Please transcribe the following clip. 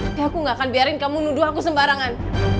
tapi aku gak akan biarin kamu nuduh aku sembarangan